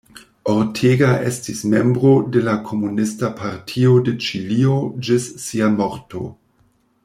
Ortega estis membro de la Komunista Partio de Ĉilio ĝis sia morto.